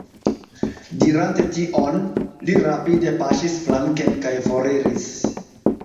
Dirante tion, li rapide paŝis flanken kaj foriris.